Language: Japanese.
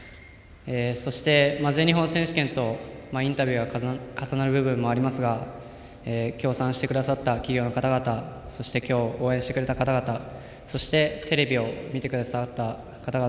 そして、全日本選手権とインタビュー重なる部分もありますが協賛してくださった企業の方々そして、今日応援してくれた方々そして、テレビを見てくださった方々